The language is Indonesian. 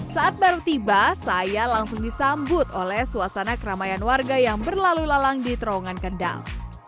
saat baru tiba saya langsung disambut oleh suasana keramaian warga yang berlalu lalang di terowongan kendal